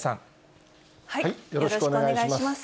よろしくお願いします。